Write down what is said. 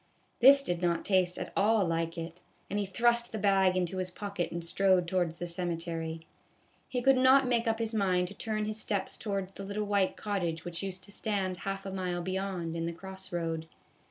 This did not taste at all like it, and he thrust the bag into his pocket and strode towards the cemetery. He could not make up his mind to turn his steps towards the little white cottage which used to stand half a mile beyond, in the cross road.